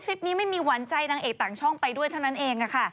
คลิปนี้ไม่มีหวานใจนางเอกต่างช่องไปด้วยเท่านั้นเอง